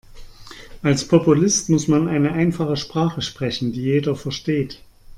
Als Populist muss man eine einfache Sprache sprechen, die jeder versteht.